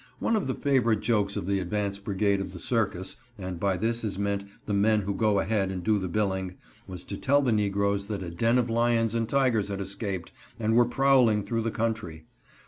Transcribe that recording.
One of the favorite jokes of the advance brigade of the circus, and by this is meant the men who go ahead and do the billing, was to tell the negroes that a den of lions and tigers had escaped, and were prowling through the country.